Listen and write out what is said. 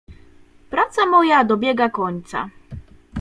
"Praca moja dobiega końca."